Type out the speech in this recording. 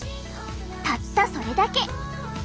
たったそれだけ。